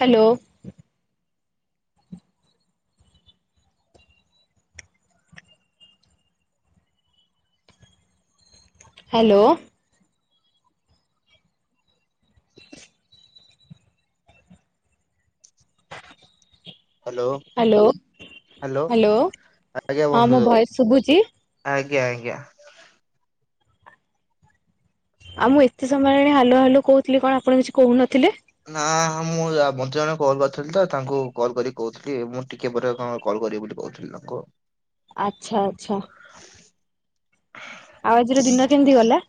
Hello. Hello! Hello! Hello! ଆଜ୍ଞା ହଁ ବନ୍ଧୁ ମୋ ଭୟସ ଶୁଭୁଛି? ଆଜ୍ଞା ଆଜ୍ଞା। ଆଉ ମୁଁ ଏତେ ସମୟ ହେଲାଣି ହାଲୋ ହାଲୋ କହୁଥିଲି। କଣ ଆପଣ କିଛି କହୁନଥିଲେ? ନା ମୁଁ ୟା ବଞ୍ଚିଆନା କୁ କଲ୍ କରିଥିଲି ତ। ତାଙ୍କୁ କଲ୍ କରିିକି କହୁଥିଲି, ମୁଁ ଟିକେ ପରେ କଲ୍ କରିବି ବୋଲି କହୁଥିଲି ତାଙ୍କୁ। ଆଚ୍ଛା ଆଚ୍ଛା। ଆଉ ଆଜିର ଦିନ କେମିତି ଗଲା?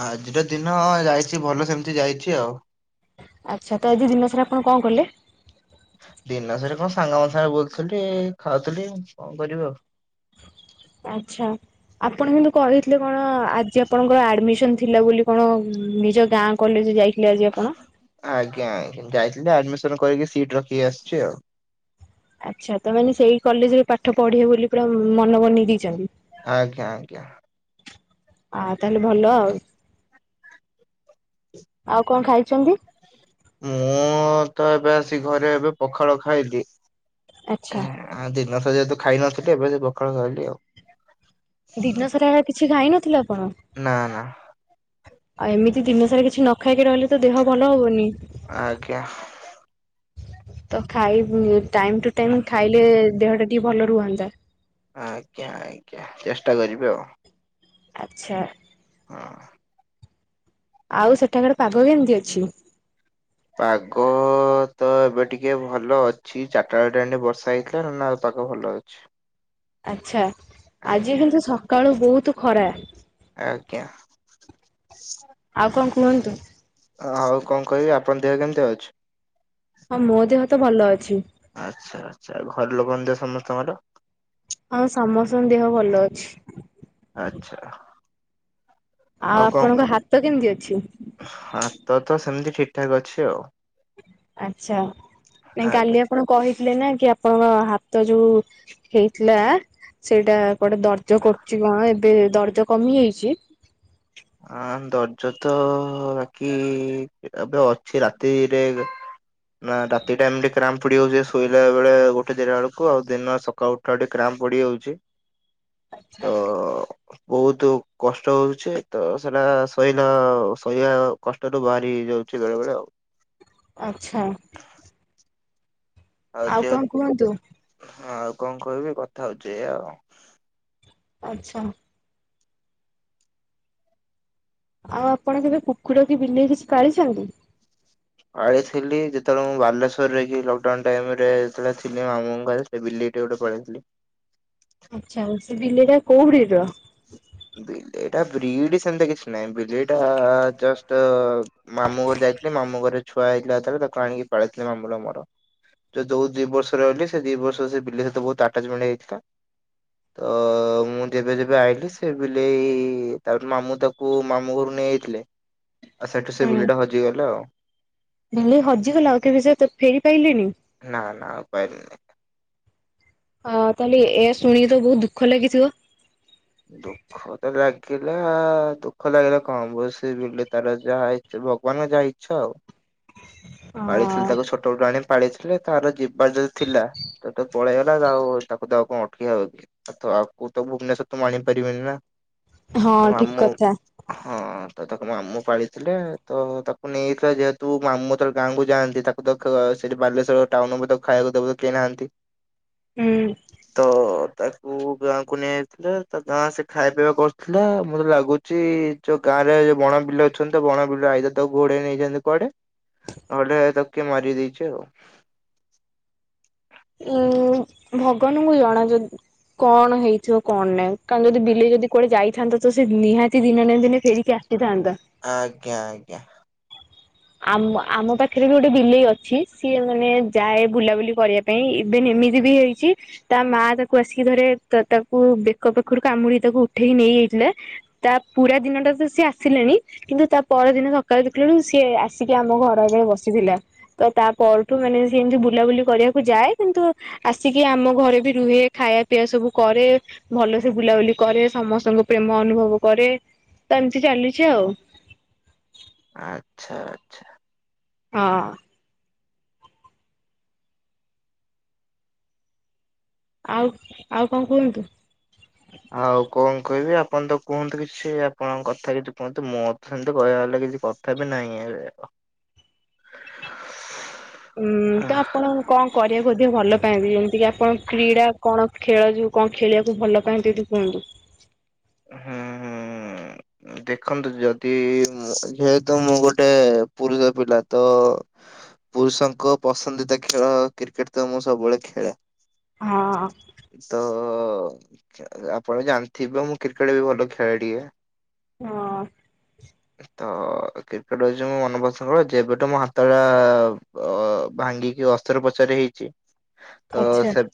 ଆଜିର ଦିନ ଯାଇଛି ଭଲ ସେମିତି ଯାଇଛି ଆଉ। ଆଚ୍ଛା, ତ ଆଜି ଦିନ ଶାର ଆପଣ କଣ କଲେ? ଦିନସାରା କଣ ସାଙ୍ଗ ମାନଙ୍କ ସାଙ୍ଗରେ ବୁଲୁଥିଲି, ଖାଉଥିଲି କଣ କରିବ ଆଉ? [inaudible] ଆଚ୍ଛା, ଆପଣ କିନ୍ତୁ କହିଥିଲେ କଣ? ଆଜି ଆପଣଙ୍କର ଆଡମିସନ ଥିଲା ବୋଲି କଣ? ନିଜ ଗାଁ କଲେଜ ଯାଇ ଆଜ୍ଞା, ଆ ଯାଇଥିଲି, ଆଡମିସନ୍ କରିକି ସିଟ ରଖିକି ଆସୁଛି ଆଉ। ଆଚ୍ଛା, ତା ମାନେ ସେଇ କଲେଜରେ ପାଠ ପଢିବେ ବୋଲି ପୁରା ମନ ବନେଇ ଦେଇଚନ୍ତି। ଆଜ୍ଞା ଆଜ୍ଞା। ଆ ତାହେଲେ ଭଲ ଆଉ। ଆଉ କଣ ଖାଇଛନ୍ତି? ମୁଁ ତ ଏବେ ଆସି ଘରେ ଏବେ ପଖାଳ ଖାଇଲି। ଆଚ୍ଛା। ମାସ ଯେହେତୁ ଖାଇ ନଥିଲି, ଏବେ ସେ ପଖାଳ ଖାଇଲି ଆଉ। ଦିନ ସାରା କିଛି ଖାଇ ନଥିଲ? ନା, ନା। ଆଉ ଏମିତି ଦିନ ସାରା କିଛି ନ ଖାଇକି ରହିଲେ, ତ ଦେହ ଭଲ ହବନି। ଆଜ୍ଞା। ତ ଖାଇବୁ ଟାଇମ୍ ଟୁ ଟାଇମ୍ ଖାଇଲେ ଦେହ ଟା ଟିକେ ଭଲ ରୁହନ୍ତା ଆଜ୍ଞା ଆଜ୍ଞା ଚେଷ୍ଟା କରିବି ଆଉ। ଆଚ୍ଛା। ଅ ଆଉ ସେଠାକାର ପାଗ କେମିତି ଅଛି? ପାଗ ତ ଏବେ ଟିକେ ଭଲ ଅଛି। ଚାରିଟା ବେଳ ଟାଇମ୍ ଟା ଟିକେ ବର୍ଷା ହେଇଥିଲା ନନେଆ ପାଗ ଭଲ ଅଛି। ଆଛା, ଆଜି ଆଜ୍ଞା କିନ୍ତୁ ସକାଳୁ ବହୁତ ଖରା। ଆଜ୍ଞା। ଆଉ କଣ କୁହନ୍ତୁ। ହଉ କଣ କହିବି ଆପଣଙ୍କ ଦେହ କେମିତି ଅଛି? ହଁ, ମୋ ଦେହ ତ ଭଲ ଅଛି। ଆଚ୍ଛା ଆଚ୍ଛା, ଘର ଲୋକଙ୍କ ଦେହ ସମସ୍ତଙ୍କର? ହଁ ସମସ୍ତଙ୍କ ଦେହ ଭଲ ଅଛି। ଆଚ୍ଛା ଆଉ କଣ ଆପଣଙ୍କ ହାତ କେମିତି ଅଛି? ହାତ ତ ସେମିତି ଠିକ୍ ଠାକ୍ ଅଛି ଆଉ। ଆଚ୍ଛା, ନାଇଁ ଆଜ୍ଞା କାଲି ଆପଣ କହିି ଥିଲେ ନା କି ଆପଣଙ୍କ ହାତ ଯୋଉ ହେଇଥିଲା ସେଇଟା କୁଆଡେ ଦର୍ଜ କରୁଛି କଣ? ଏବେ ଦର୍ଜ କମିଯାଇଛି? ହଁ, ଦର୍ଜ ତ ବାକି ଏବେ ଅଛି ରାତିରେ ନା ରାତି ଟାଇମ ଟା କ୍ରାମ ପଡି ଯାଉଛି, ଶୋଇଲା ବେଳେ ଗୋଟେ ଦିଟା ବେଳକୁ ଆଉ ଦିନ ସକାଳ ଉଠିଲା ବେଳକୁ କ୍ରାମ ପଡିଯାଉଛି। ତ ବହୁତ କଷ୍ଟ ହଉଛି। ତ ସେଟା ସହିଲା ସହିବା କଷ୍ଟରୁୁ ବାହାରି ହେଇଯାଉଛି, ବେଳେ ବେଳେ ଆଉ। ଆଚ୍ଛା। ଆଉ ଯେଅ କଣ କୁହନ୍ତୁ? ଆଉ କଣ କହିବି? କଥା ହଉଛି ଏ ଆଉ। ଆଚ୍ଛା। ଆଉ ଆପଣ କେବେ କୁକୁର କି ବିଲେଇ କିଛି ପାଲିଛନ୍ତି? ଆଣିଥିଲି ଯେତେବେଳେ ମୁଁ ବାଲେଶ୍ଵରରେ କି ଲକଡାଉନ ଟାମିରେ ଯେତେବେଳେ ଥିଲି ମାମୁଁଙ୍କ ଘରେ ସେଠୀ ଗୋଟେ ପାଳୀଥିଲି। ଆଛା ସେ ବିଲେଇଟା କୋଉଡିର ବିଲେଇଟା ବ୍ରିଡିସେମିତି କିଛି ନାହିଁ ବିଲେଇ ଏଟା ଜଷ୍ଟ ମାମୁଁ ଘରକୁ ଯାଇଥିଲି ମାମୁଁ ଘରେ ଛୁଆ ହେଇଥିଲା ତାକୁ ଆଣିକି ପଳିଥିଲି ମାମୁଁ ମୋର ଯୋଉ ଦି ବର୍ଷ ରହିଲି ସେ ଦି ବର୍ଷ ସେ ବିଲି ସହିତ ବହୁତ ଆଟାଚମେଣ୍ଟ ହେଇଯାଇଥିଲା ତ ମୁଁ ଯେବେ ଯେ ଏବେ ଆଇ ସେ ବିଲେଇ ତାପରେ ମାମୁଁ ତାକୁ ମାମୁଁ ଘରୁ ନେଇଯଥିଲେ ଆଉ ସେଠୁ ସେ ହୁଁ ବିଲେଇ ଟା ହଜିଗଲା ଆଉ। ବିଲେଇ ହଜିଗଲା ଆଉ କେବେ ସେ ଫେରି ପାଇଲେନି? ନା ନା ଆଉ ପାଇଲିନି। ହଁ ତାହେଲେ ଏ ଶୁଣିକି ତ ବହୁତ ଦୁଃଖ ଲାଗିଥିବ? ଦୁଃଖ ତ ଲାଗିଲା ଦୁଃଖ ଲାଗିଲା କଣ ହେବ ସେ ବିଲେଇ ତାର ଯାହା ହେଇ ଭଗବାନଙ୍କ ଯାହା ଇଚ୍ଛା ଆଉ ପାଳିଥିଲେ ହଁ ତାକୁ ଛୋଟବେଳୁ ଆଣି ପାଳିଥିଲେ ତାର ଜୀ ଯିବାର ଯଦି ଥିଲା ତ ପଳେଇଗଲା ଆଉ ତାକୁ ତ କଣ ଆଉ ଅଟକେଇି ହବ କି ଆଉ ତ ଭୁବନେଶ୍ୱର ତମେ ଆଣିପାରିବନି ନା ହଁ ଠିକ ତମମାମୁଁ କଥା। ହଁ ତ ତାକୁ ମାମୁଁ ପାଳିଥିଲେ ତ ତାକୁ ନେଇଯଥିଲା ଯେହେତୁ ମାମୁଁ ଯେତେବେଳେ ଗାଁକୁ ଯାଆନ୍ତି ତାକୁ ଦେ ସେଇଠି ବାଲେଶ୍ଵର ଟାଉନ ତ ଖାଇବାକୁ ଦେବାକୁ କିଣନ୍ତି। ହୁଁ ତ ତାକୁ ଗାଁକୁ ନେଇ ଥିଲେ ତା ଗାଁ ସେ ଖାଇବା ପିଇବା କରୁଥିଲା ମୋତେ ଲାଗୁଛି ଯୋଉ ଗାଁ ରେ ବଣ ବିଲୁଆ ଅଛନ୍ତି ବଣ ବିଲୁଆ ତାକୁ ଘୋଡେଇ ନେଇଛନ୍ତି କୁଆଡେ ନ ହେଲେ ତାକୁ କିଏ ମାରିଦେଇଛି ଆଉ [inaudible] ଭଗବାନଙ୍କୁ ଜଣା ଜେ କଣ ହେଇଥିବ କଣ ନାଇଁ। କାରଣ ଯଦି ବିଲେଇ ଯଦି କୁଆଡେ ଯାଇଥାନ୍ତା ତ ସେ ନିହାତି ଦିନେ ନା ଦିନେ ଫେରିକି ଆସିଥାନ୍ତା। ଆଜ୍ଞା ଆଜ୍ଞା। ଆମ ଆମ ପାଖରେ ବି ଗୋଟେ ବିଲେଇ ଅଛି ସିଏ ମାନେ ଯାଏ ବୁଲାବୁଲି କରିବା ପାଇଁ ଏବେ ନ ଏମିତି ବି ହେଇଛି ତା ମା ତାକୁ ଆସିକି ଥରେ ତାକୁ ବେକ ପାଖରୁ କାମୁଡି ତାକୁ ଉଠେଇ ନେଇ ତା ପୁରା ଦିନଟା ତ ସେ ଆସିଲାନି କିନ୍ତୁ ତା ପର ଦିନ ସକାଳୁ ଦେଖିଲା ବେଳକୁ ସେ ଆସିକି ଆମ ଘର ଆଗରେ ବସିଥିଲା ତ ତା ପରଠୁ ମାନେ ସେ ଏମିତି ବୁଲାବୁଲି କରିବାକୁ ଯାଏ କିନ୍ତୁ? ଆସିକି ଆମ ଘରେ ବି ରୁହେ ଖାଇବା ପିଇବା ସବୁ କରେ ଭଲସେ ବୁଲାବୁଲି କରେ ସମସ୍ତଙ୍କ ପ୍ରେମ ଅନୁଭବ କରେ ତ ଏମିତି ଚାଲିଛି ଆଉ। ଆଚ୍ଛା ଆଚ୍ଛା। ହଁ। ଆଉ ଆଉ କଣ କୁହନ୍ତୁ? ଆଉ କଣ କହିବି ଆପଣ ତ କୁହନ୍ତୁ କିଛି ଆପଣଙ୍କ କଥା କିଛି କୁହନ୍ତୁ ମୁଁ ତ ସେମିତି କହିବା ଲାଗ କିଛି କଥା ବି ନହିଁ। ହୁଁ ତ ଆପଣ କଣ କରିବାକୁ ଅଧିକ ଭଲ ପାନ୍ତି ଯେମିତି କି ଆପଣ କ୍ରୀଡା କଣ ଖେଳ ଯିବ କଣ ଖେଳିବାକୁ ଭଲ ପାଆନ୍ତି ଯଦି କୁହନ୍ତୁ? ହୁଁ ହୁଁ। ଦେଖନ୍ତୁ ଯଦି ମୁଁ ଯେହେତୁ ମୁଁ ଗୋଟେ ପୁରୁଷ ପିଲା ତ ପୁରୁଷଙ୍କ ପସନ୍ଦିତା ଖେଳ କ୍ରିକେଟ ତ ମୁଁ ସବୁବେଳେ ଖେଳେ। ହଁ ତ ତ ଖେ ଆପଣ ଜାଣିଥିବେ ମୁଁ କ୍ରିକେଟ ବି ଭଲ ଖେଳେ ଟିକେ। ହଁ। ତ କ୍ରିକେଟ ହଉଛି ମୋ ମନ ପସନ୍ଦ। ଯେବେଠୁ ମୋ ହାତ ଟା ଭାଙ୍ଗି ଅସ୍ତ୍ରୋପଚାର ହେଇଛି ତ ଆଚ୍ଛା ସେ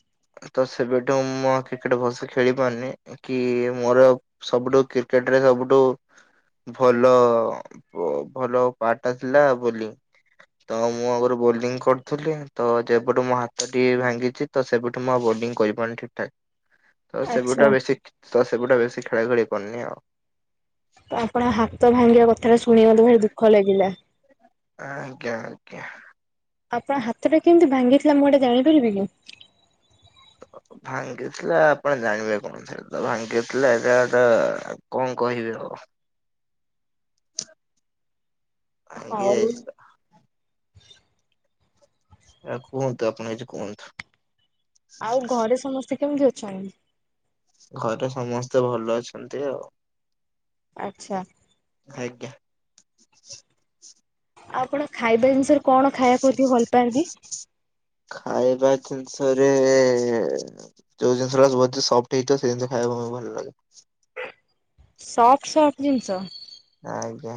ତ ସେବେ ମୁଁ ଆଉ କ୍ରିକେଟ ଭଲସେ ଖେଳି ପାରୁନି କି ମୋର ଆଉ ସବୁଠୁ କ୍ରିକେଟ ରେ ସବୁଠୁ ଠୁ ଭଲ ଭ ଭଲ ପାଠ ଥିଲା ବୋଲି ତ ମୁଁ ଆଗରୁ ବୋଲିଂ କରୁଥିଲି ତ ଯେବେଠୁ ମୋ ହାତ ଟି ଭାଙ୍ଗିଛି ତ ସେବେଠୁ ମୁଁ ଆଉ ବୋ ଲିଙ୍ଗ କରିପାରୁନି ଠିକ ଠାକ ତ ସେବୁଠୁ ଆଚ୍ଛା ଆଉ ବେଶୀ ତ ସେବୁଟା ବେଶି ଖେଳା ଖେଳି କରୁନି ଆଉ। ତ ଆପଣ ହାତ ଭାଙ୍ଗିବା କଥା ଟା ଶୁଣି ମତେ ଭାରି ଦୁଃଖ ଲାଗିଲା। ଆଜ୍ଞା ଆଜ୍ଞା। ଆପଣ ହାତଟା କେମିତି ଭାଙ୍ଗିଥିଲା ମୁଁ ଏଇଟା ଜାଣିପାରିବି କିି? ଭାଙ୍ଗିଥିଲା ଆପଣ ଜାଣିବେ କଣ ସେତ ଭାଙ୍ଗିଥିଲା ଏଟା ତ କଣ କହିବି ଆଉ [inaudible] ଭାଙ୍ଗି ହଉ ଯାଇଛି ଆ ଆ କୁହନ୍ତୁ ଆପଣ କିଛି କୁହନ୍ତୁ। ଆଉ ଘରେ ସମସ୍ତେ କେମତି ଅଛନ୍ତି? ଘରେ ସମସ୍ତେ ଭଲ ଅଛନ୍ତି ଆଉ। ଆଚ୍ଛା। [unintelligible] ଆପଣ ଖାଇବା ଜିନିଷରେ କଣ ଖାଇବାକୁ ଅଧିକ ଭଲ ପାଆନ୍ତି? ଖାଇବା ଜିନିଷରେ ଯୋଉ ଜିନିଷଟା ସଫ୍ଟ ହେଇଥିବ ସେ ଜିନିଷ ଖା ଏବଂ ଭଲ ଲାଗେ। ସଫ୍ଟ ସଫ୍ଟ ଜିନିଷ? ଆଜ୍ଞା।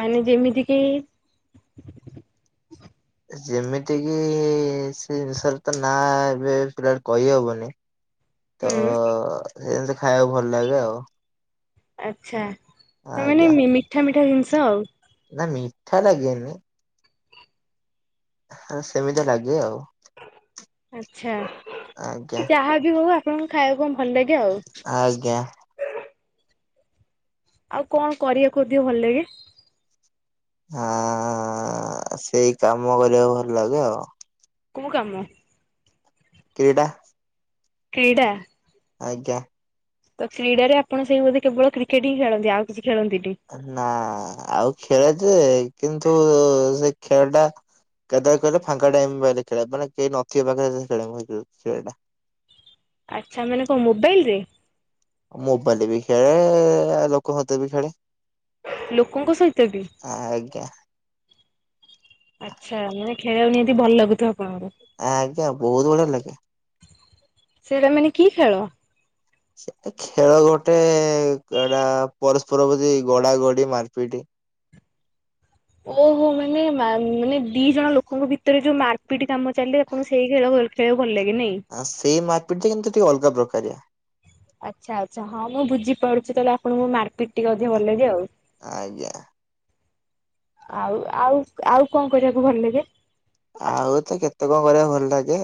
ମାନେ ଯେମିତି କି ଯେମିତି କିି ସେ ଜିନିଷର ତ ନାଁ ଏବେ ଫିଲାଲ କହିହବନି। ତ ହୁଁ ସେମିତି ଖାଇବାକୁ ଭଲ ଲାଗେ ଆଉ। ଆଚ୍ଛା ତା ମାନେ ଆଜ୍ଞା। ମି ମିଠା ମିଠା ଜିନିଷ ଆଉ। ନା ମିଠା ଲାଗେନି। ହଁ ସେମିତିଆ ଲାଗେ ଆଉ। ଆଚ୍ଛା ଆଜ୍ଞା ଯାହା ବି ହଉ ଆପଣଙ୍କୁ ଖାଇବାକୁ ଭଲ ଲାଗେ ଆଉ। ଆଜ୍ଞା। ଆଉ କଣ କରିବାକୁ ଅଧିକ ଭଲ ଲାଗେ? ଆଆଆଆ ସେଇ କାମ କରିବାକୁ ଭଲ ଲାଗେ ଆଉ। କୋଉ କାମ? କ୍ରୀଡ଼ା। କ୍ରୀଡା? ଆଜ୍ଞା। ତ କ୍ରୀଡ଼ାରେ ଆପଣ ସେଇ ବୋଧେ କେବଳ କ୍ରିକେଟ୍ ହିଁ ଖେଳନ୍ତି ଆଉ କିଛି ଖେଳନ୍ତିନି। ନା ଆଉ ଖେଳେ ଯେ କିନ୍ତୁ ସେ ଖେଳଟା କେତେବେଳେ କହିଲେ ଫାଙ୍କା ଟାଇମ ପାଇଲେ ଖେଳେ ମାନେ କେହି ନଥିବ ପାଖରେ ଖେଳେ ମୁଁ ସେଇ ଖେଳଟା। ଆଚ୍ଛା ମାନେ କଣ ମୋବାଇଲରେ? ମୋବାଇଲରେ ବି ଖେଳେ ଲୋକଙ୍କ ସହିତ ବି ଖେଳେ। ଲୋକଙ୍କ ସହିତ ବି? ଆଜ୍ଞା ଆଚ୍ଛା ମାନେ ଖେଳିବାକୁ ନିହାତି ଭଲ ଲାଗୁଥିବ। ଆପଣଙ୍କୁ। ଆଜ୍ଞା ବହୁତ ବଢିଆ ଲାଗେ। ସେଟା ମାନେ କି ଖେଳ? ସେ ତ ଖେଳ ଗୋଟେ ଏଟା ପରସ୍ପର ପ୍ରତି ଗଡା ଗଡି ମାରିପିଟ [inaudible] ଓହୋ ମାନେ ମାନେ ଦି ଜଣ ଲୋକଙ୍କ ଭିତରେ ଯୋଉ ମାରପିଟ କାମ ଚାଲେ ଆପଣ ସେଇ ଖେଳ ଖେଳକୁ ଭଲ ଲାଗେ ନାଇଁ? ଆ ସେଇ ମାରପିଟ ଟା କିନ୍ତୁ ଟିକେ ଅଲଗା ପ୍ରକାରିଆ। ଆଚ୍ଛା ଆଚ୍ଛା ହଁ ମୁଁ ବୁଝିପାରୁଛି ତାହଲେ ଆପଣଙ୍କୁ ମାରପିଟ୍ ଟିକେ ଅଧିକା ଭଲଲାଗେ ଆଉ। ଆଜ୍ଞା। ଆଉ ଆଉ ଆଉ କଣ କରିବାକୁ ଭଲ ଲାଗେ? ଆଉ ତ କେତେ କଣ କରିବାକୁ ଭଲ ଲାଗେ।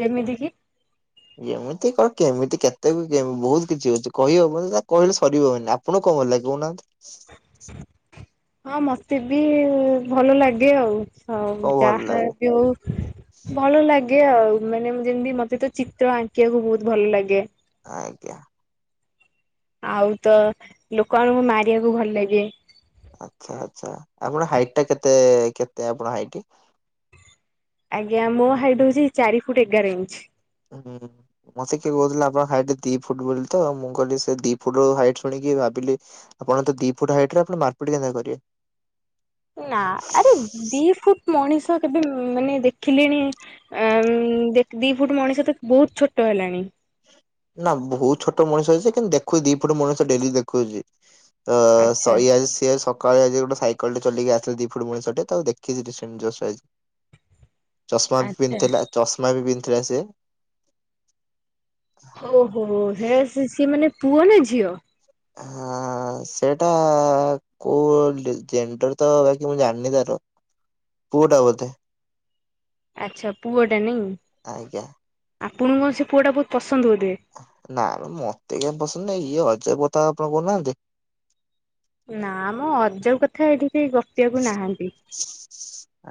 ଯେମିତି କିି? ଏମିତି କନ୍ କେମିତି କେତେ କେତି ବହୁତ କିଛି ଅଛି କହିବନି କହିଲେ ସରିବନି ଆପଣ କ କଣ ଭଲ ଲାଗେ କହୁନାହାନ୍ତି? ହଁ ମତେ ବି ଭଲ ଲାଗେ ଆଉ। ହଉ କଣ ଭଲ ଯାହା ଲାଗେ ବି ହଉ ଭଲ ଲାଗେ ଏମତି ଆଉ ମାନେ ଯେମିତି ମତେ ତ ଚିତ୍ର ଆଙ୍କିବାକୁ ବହୁତ ଭଲ ଲାଗେ। ଆଜ୍ଞା। ଆଉ ତ ଲୋକମାନଙ୍କୁ ମାରିବାକୁ ଭଲ ଲାଗେ। ଆଚ୍ଛା ଆଚ୍ଛା ଆପଣଙ୍କ ହାଇଟ ଟା କେତେ କେତେ ଆପଣ ହାଇଟ? ଆଜ୍ଞା ମୋ ହାଇଟ୍ ହଉଛି ଚାରି ଫୁଟ ଏଗାର ଇଞ୍ଚ୍। ହୁଁ ମତେ କିଏ କହୁଥିଲା ଆପଣ ହାଇଟ୍ ଦି ଫୁଟ ବୋଲି ତ ମୁଁ କହିଲି ସେ ଦି ଫୁଟ ର ହାଇଟ୍ ଶୁଣିକି ଭାବିଲି ଆପଣ ତ ଦି ଫୁଟ ହାଇଟ ର ଆପଣ ମାରପିଟ କେନ୍ତା କରିବେ। ନା ଆରେ ଦି ଫୁଟ୍ ମଣିଷ କେବେ ମାନେ ଦେଖିଲେଣି ଆ ଦି ଫୁଟ ମଣିଷ ତ ବହୁତ ଛୋଟ ହେଲାଣି। ନା ବହୁତ ଛୋଟ ମଣିଷ ଅଛି କିନ୍ତୁ ଦେଖୁଛି ଦି ଫୁଟ ମଣିଷ ଡେଲି ଦେଖୁଛି। ତ ଆଚ୍ଛା ସଇ ସିଏ ସକାଳେ ଆଜି ଉ ଗୋଟେ ସାଇକେଲଟେ ଚଲେଇକି ଆସିଥିଲା ଦିଇ ଫୁଟ ମଣିଷଟେ ତାକୁ ଦେଖିଚି ରିସେଣ୍ଟ ଯଷ୍ଟ ଆଜି। ଚଷମା ଆଚ୍ଛା ପିନ୍ଧିଥିଲା ଚଷମା ବି ପିନ୍ଧିଥିଲା ସେ। ଓହୋ ହେ ସେ-ସି-ସିଏ ମାନେ ପୁଅ ନା ଝିଅ? ଆଁ ଆ ସେଇଟା କୋଉ ଜେଣ୍ଡର ତ ବାକି ମୁଁ ଜାଣିନି ତାର। ପୁଅ ଟା ବୋଧେ। ଆଛା ପୁଅ ଟା ନାଇଁ ଆଜ୍ଞା। ଆପଣଙ୍କୁ ସେ ପୁଅ ଟା ବୋହୁତ ପସ ନା ମତେ କାଉଁ ପସନ୍ଦ ନାଇଁ ଇଏ ଅଜବ୍ କଥା ଆପଣ କୋହୁନାହାନ୍ତି? ନା ମ ଅଜବ କଥା ଏଠି କେହି ଗପିବାକୁ ନାହାନ୍ତି।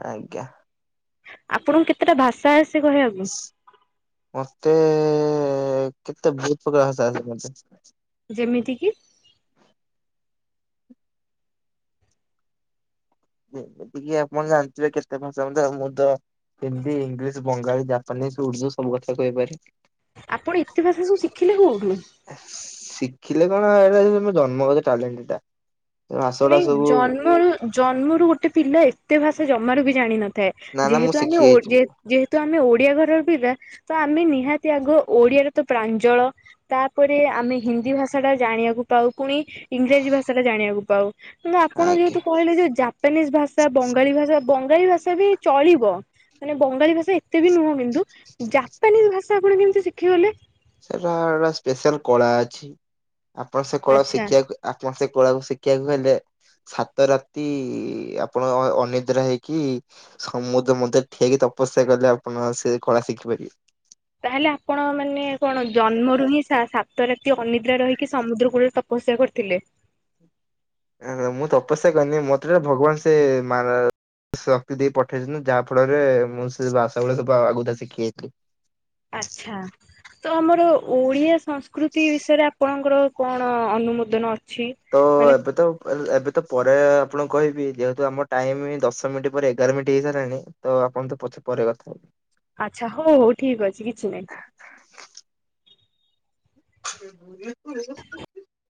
ଆଜ୍ଞା। ଆପଣଙ୍କୁ କେତେଟା ଭାଷା ଆସେ? କହିବାକୁ? ମତେ ତେ ବୋହୁତ୍ ପ୍ରକାର ଭାଷା ଆସେ ମତେ। ଯେମିତି କି? ଯେମିତିକି ଆପଣ ଜାଣିଥିବେ କେତେ ଭାଷା ମତେ ମୁଁ ତ ହିନ୍ଦୀ, ଇଂଲିଶ, ବଙ୍ଗାଳୀ, ଜାପାନି, ସୁଉର୍ଦ୍ଦୁ ସବୁ କଥା କହିପାରେ। ଆପଣ ଏତେ ଭାଷା ସବୁ ଶିଖିଲେ କୋଉଠୁ? ଏ ଶିଖିଲେ କଣ ଏଟା ମୋ ଜନ୍ମଗତ ଟାଲେଣ୍ଟେ‌ଟା। ନାଇଁ ଜନ୍ମରୁ ଜନ୍ମରୁ ଗୋଟେ ପିଲା ଏତେ ଭାଷା ଜମାରୁ ବି ଜାଣିନ ଥାଏ ନା ନା ମୁଁ ଯେହେତୁ ଶିଖି ଆମେ ଓ ଯାଇଛି ମୁଁ ଯେହେତୁ ଯେହେତୁ ଆମେ ଓଡିଆ ଘରର ପିଲା ତ ଆମେ ନିହାତି ଆଗ ଓଡିଆରେ ତ ପ୍ରାଞ୍ଜଳ ତାପରେ ଆମେ ହିନ୍ଦୀ ଭାଷାଟା ଜାଣିବାକୁ ପାଉ ପୁଣି ଇଂରାଜୀ ଭାଷା ଜାଣିବାକୁ ପାଉ କିନ୍ତୁ ଆପଣ ଆଜ୍ଞା। ଯେହେତୁ କହିଲେ ଯେ ଜାପାନିଜ ଭାଷା, ବଙ୍ଗାଳୀ ଭାଷା ବଙ୍ଗାଳୀ ଭାଷା ବି ଚଳିବ। ମାନେ ବଙ୍ଗାଳି ଭାଷା ଏତେ ବି ନୁହଁ କିନ୍ତୁ ଜାପାନିଜ ଭାଷା ଆପଣ କେମିତି ଶିଖିଗଲେ? ସେଟା ସ୍ପେଶାଲ କଳା ଅଛି ଆପଣ ସେ କଳା ଆଚ୍ଛା। ଶିଖିବାକୁ ଆପଣ ସେ [unintelligible] କୁ ଶିଖିବାକୁ ହେଲେ ସାତ ରାତି ଆପଣ ଅ-ଅ-ଅନିଦ୍ରା ହେଇକି ସମୁଦ୍ର ମଧ୍ୟ ଠିଆ ହେଇକି ତପସ୍ୟା କଲେ ଆପଣ ସେ କଳା ଶିଖିପାରିବେ। ତାହେଲେ ଆପଣ ମାନେ କଣ ଜନ୍ମରୁ ହିଁ ସା-ସାତ ତ ରାତି ଅନିଦ୍ରା ରହିକି ସମୁଦ୍ର କୂଳରେ ତପସ୍ୟା କରିଥିଲେ। ମୁଁ ତପସ୍ୟା କରିନି ମତେ ସେଟା ଭଗବାନ ସେ ମା ଶକ୍ତି ଦେଇ ପଠେଇଥିଲ ଯାହା ଫଳରେ ମୁଁ ସେ ଭାଷା ଗୁଡ଼ା ସବୁ ଆଗୁତୁଆ ଶିଖି ଯାଇଥିଲି। ଆଛା ତ ଆମର ଓଡିଆ ସଂସ୍କୃତି ବିଷୟରେ ଆପଣଙ୍କର କଣ ଅନୁମୋଦନ ଅଛି? ତ ମାନେ ଏବେ ତ ଏବେ ତ ପରେ ଆପଣ କହିବି ଯେହେତୁ ଆମ ଟାଇମ ଦଶ ମିନିଟ୍ ପରେ ଏଗାର ମିନିଟ୍ ହେଇସାରିଲଣି। ତ ଆପଣ ତ ପ ପରେ କଥା ହ ଆଚ୍ଛା ହଉ ହଉ ଠିକ ଅଛି କିଛି ନହିଁ। [inaudible] [unintelligible]